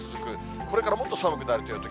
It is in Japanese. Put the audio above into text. これからもっと寒くなるというとき。